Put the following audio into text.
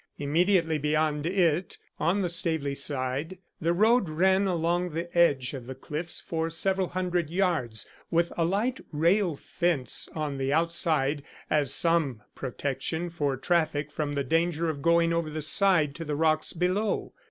Immediately beyond it, on the Staveley side, the road ran along the edge of the cliffs for several hundred yards, with a light rail fence on the outside as some protection for traffic from the danger of going over the side to the rocks below.